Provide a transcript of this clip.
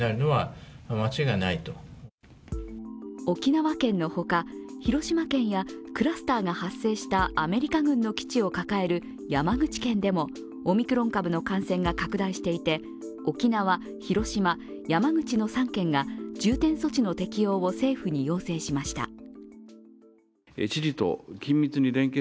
沖縄県のほか、広島県やクラスターが発生したアメリカ軍の基地を抱える山口県でも、オミクロン株の感染が拡大していて、沖縄、広島、山口の３県が重点措置の適用を政府に要請しました。